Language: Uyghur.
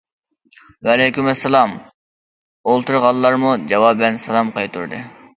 -ۋەئەلەيكۇم ئەسسالام، -ئولتۇرغانلارمۇ جاۋابەن سالام قايتۇردى.